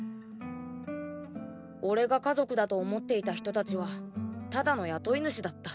俺が家族だと思っていた人達はただの雇い主だった。